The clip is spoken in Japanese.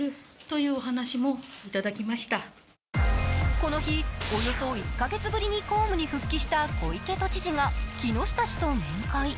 この日、およそ１カ月ぶりに公務に復帰した小池都知事が木下氏と面会。